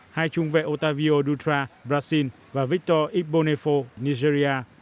hai trung vệ otavio dutra brazil và victor ibonefo nigeria